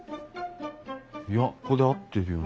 いやここで合ってるよな。